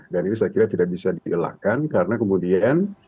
dan ini saya kira tidak bisa dielakkan karena kemudian